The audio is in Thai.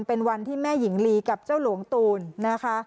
เป็นวันที่แม่หญิงลีกับเจ้าหลวงตูนนะคะ